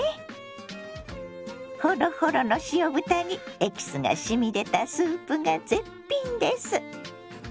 ほろほろの塩豚にエキスがしみ出たスープが絶品です。